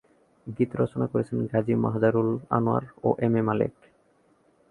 গীত রচনা করেছেন গাজী মাজহারুল আনোয়ার ও এম এ মালেক।